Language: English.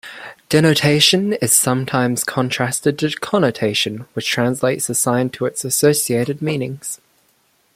Denotation is sometimes contrasted to connotation, which translates a sign to its associated meanings.